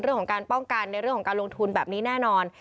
เรื่องของการป้องกันในเรื่องของการลงทุนแบบนี้แน่นอน